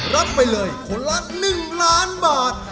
รับไปเลยคนละ๑ล้านบาท